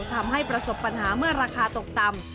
ทำให้ประสบปัญหาเมื่อราคาตกต่ำ